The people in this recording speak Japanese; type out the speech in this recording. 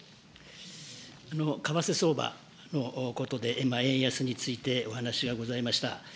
為替相場のことで、今、円安についてお話がございました。